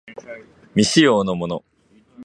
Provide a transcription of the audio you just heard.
未使用のもの